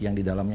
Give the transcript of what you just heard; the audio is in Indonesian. yang di dalamnya